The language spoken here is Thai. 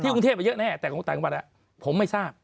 ยื่นเทพฯมันเยอะแน่แต่คลมต่างจังหวัดล่ะผมไม่ทราบ